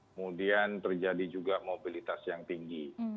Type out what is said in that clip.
kemudian terjadi juga mobilitas yang tinggi